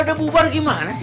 udah bubar gimana sih